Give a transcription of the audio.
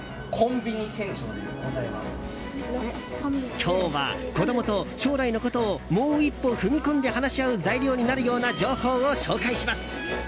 今日は子供と将来のことをもう一歩踏み込んで話し合う材料になるような情報を紹介します。